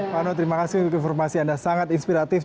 vano terima kasih untuk informasi anda sangat inspiratif